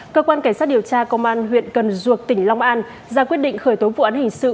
cơ quan cảnh sát điều tra công an huyện cần duộc tỉnh long an ra quyết định khởi tố vụ án hình sự